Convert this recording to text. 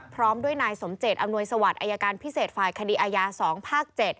พร้อมด้วยนายสมเจตอำนวยสวัสดิอายการพิเศษฝ่ายคดีอาญา๒ภาค๗